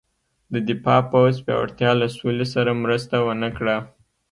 د دفاع پوځ پیاوړتیا له سولې سره مرسته ونه کړه.